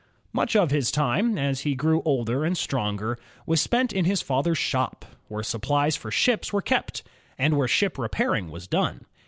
'' Much of his time, as he grew older and stronger, was spent in his father's shop, where supplies for ships were kept, and where ship repairing was done.